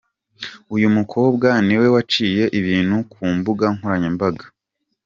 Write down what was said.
Uyu mukobwa niwe waciye ibintu ku mbuga nkoranyambaga.